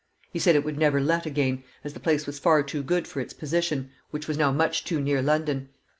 He said it would never let again, as the place was far too good for its position, which was now much too near London.